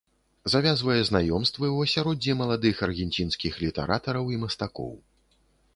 Завязвае знаёмствы ў асяроддзі маладых аргенцінскіх літаратараў і мастакоў.